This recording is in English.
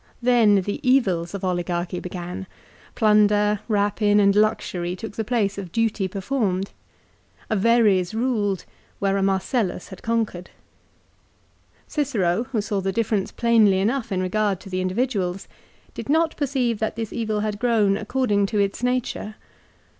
Then the evils of oligarchy began. Plunder, rapine, and luxury took the place of duty performed. A Verres ruled where a Marcellus had conquered. Cicero, who saw the difference plainly enough in regard to the individuals, did not perceive that this evil had grown according to its nature.